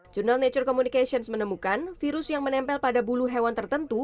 jurnal nature communications menemukan virus yang menempel pada bulu hewan tertentu